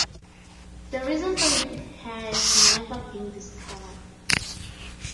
The reason for it has never been discovered.